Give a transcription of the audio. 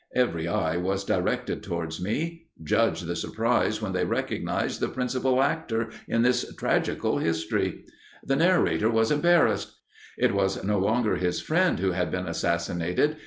Every eye was directed towards me. Judge the surprise when they recognised the principal actor in this tragical history! The narrator was embarrassed. It was no longer his friend who had been assassinated.